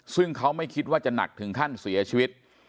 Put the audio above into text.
ซึ่งเขาไม่คิดว่าจะหนักถึงขั้นเสียชีวิต